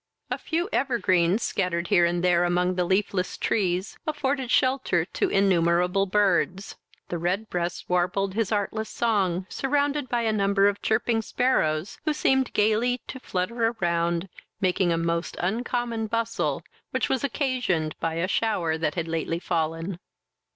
A few evergreens, scattered here and there among the leafless trees afforded shelter to innumerable birds. The red breast warbled his artless song, surrounded by a number of chirping sparrows, who seemed gaily to flutter around, making a most uncommon bustle, which was occasioned by a shower that had lately fallen.